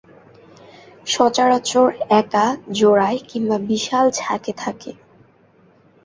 সচরাচর একা, জোড়ায় কিংবা বিশাল ঝাঁকে থাকে।